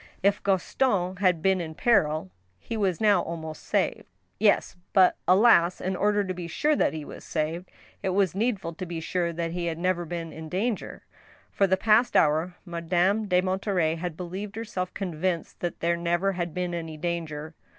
If Gaston had been in peril, he was now almost saved. Yes, but alas ! in order to be sure that he was saved, it was 126 . TkE ^TEEL HAMMER. needful to be sure that he had ever been in danger. For the past hour, Madame de Monterey had believed herself convinced that there never had been any danger.